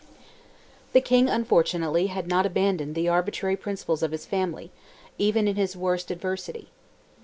The King, unfortunately, had not abandoned the arbitrary principles of his family, even in his worst adversity.